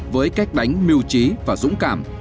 với cách đánh miêu trí và dũng cảm